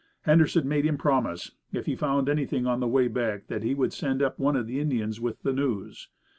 Henderson made him promise, if he found anything on the way back, that he would send up one of the Indians with the news.